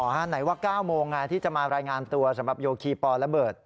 ไหนว่า๙โมงที่จะมารายงานตัวสำหรับโยคีปอระเบิด